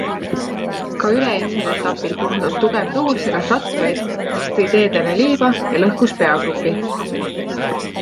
Ka üleeilsel etapil puhunud tugev tuul segas rattureid, sest tõi teedele liiva ja lõhkus peagrupi.